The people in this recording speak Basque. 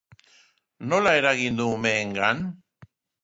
Nola eragin du umeengan?